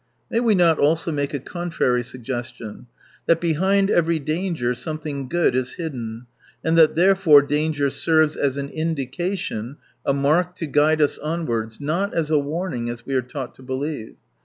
May we not also make a contrary suggestion : that behind every danger something good is hidden, and that therefore danger serves as an indication, a mark to guide us onwards, not as a warning, as we are taught to believe.